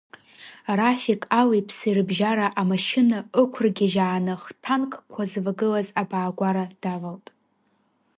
Рафик алиԥси рыбжьара амашьына ықәргьежьааны, ҳтанкқәа звагылаз абаагәара давалт.